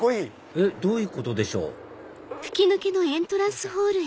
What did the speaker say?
えっどういうことでしょう？